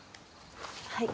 はい。